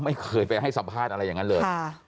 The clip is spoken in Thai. ไม่เคยไปให้สัมภาษณ์อะไรอย่างนั้นเลย